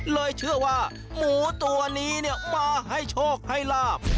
เลยเชื่อว่าหมูตัวนี้เนี่ยมาให้โชคให้ลาบ